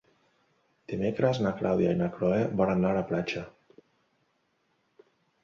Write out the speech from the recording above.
Dimecres na Clàudia i na Cloè volen anar a la platja.